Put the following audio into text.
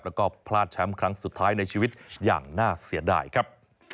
แล้วก็พลาดแชมป์ครั้งสุดท้ายในชีวิตอย่างน่าเสียดายครับ